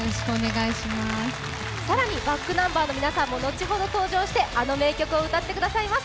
更にｂａｃｋｎｕｍｂｅｒの皆さんも後ほど登場してあの名曲を歌ってくださいます。